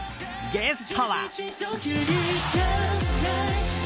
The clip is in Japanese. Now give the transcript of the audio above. ゲストは。